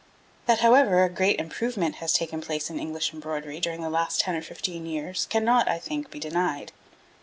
That, however, a great improvement has taken place in English embroidery during the last ten or fifteen years cannot, I think, be denied.